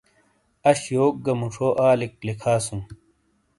اش یوک گہ موچھو آلیک لکھاسوں۔